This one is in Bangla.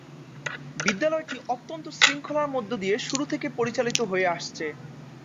বিদ্যালয়টি অত্যন্ত শৃঙ্খলার মধ্য দিয়ে শুরু থেকে পরিচালিত হয়ে আসছে।